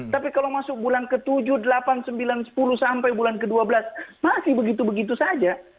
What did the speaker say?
tapi kalau masuk bulan ke tujuh delapan sembilan sepuluh sampai bulan ke dua belas masih begitu begitu saja